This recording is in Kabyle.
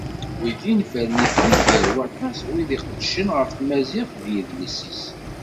Wigi, nefren-iten-id gar waṭas wid iqeddcen ɣef tmaziɣt d yidles-is.